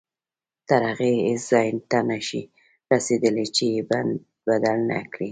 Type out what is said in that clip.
تر هغې هیڅ ځای ته نه شئ رسېدلی چې یې بدل نه کړئ.